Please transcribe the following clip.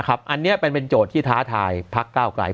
อันนี้เป็นโจทย์ที่ท้าทายพักเก้าไกล